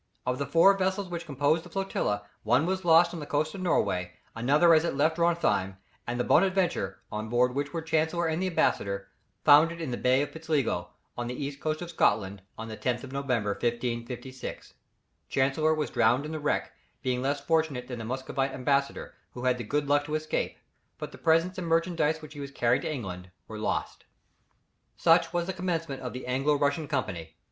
Of the four vessels which composed the flotilla, one was lost on the coast of Norway, another as it left Drontheim, and the Bonaventure, on board of which were Chancellor and the ambassador, foundered in the Bay of Pitsligo, on the east coast of Scotland on the 10th of November, 1556. Chancellor was drowned in the wreck, being less fortunate than the Muscovite ambassador, who had the good luck to escape; but the presents and merchandise which he was carrying to England were lost. [Illustration: Wreck of the Bonaventure.] Such was the commencement of the Anglo Russian Company.